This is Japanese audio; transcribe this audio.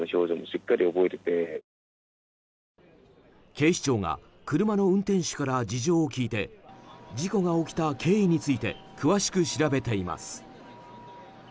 警視庁が車の運転手から事情を聴いて事故が起きた経緯について詳しく調べています。